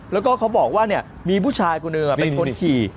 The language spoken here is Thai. แล้วก็เขาบอกว่าเนี่ยมีผู้ชายคนนึงไปชนขี่